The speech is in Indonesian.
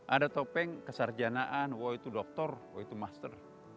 ada topeng kesarjanaan wah itu dokter oh itu master